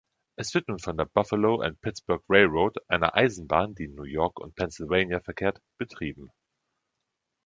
Es wird nun von der Buffalo and Pittsburgh Railroad, einer Eisenbahn, die in New York und Pennsylvania verkehrt, betrieben.